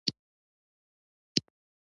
بل دا چې خپله خزانه یې ډکول.